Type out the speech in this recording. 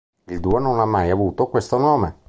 Il duo non ha mai avuto questo nome.